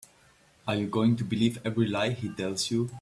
Are you going to believe every lie he tells you?